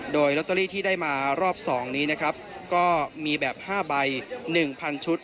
โดยลอตเตอรี่ที่ได้มารอบ๒นี้นะครับก็มีแบบ๕ใบ๑๐๐ชุด